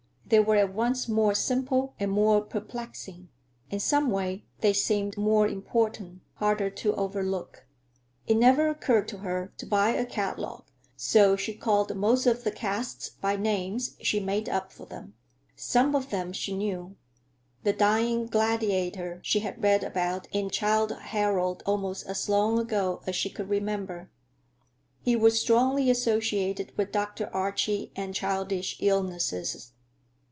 They were at once more simple and more perplexing; and some way they seemed more important, harder to overlook. It never occurred to her to buy a catalogue, so she called most of the casts by names she made up for them. Some of them she knew; the Dying Gladiator she had read about in "Childe Harold" almost as long ago as she could remember; he was strongly associated with Dr. Archie and childish illnesses.